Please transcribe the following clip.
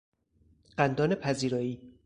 قندان پذیرایی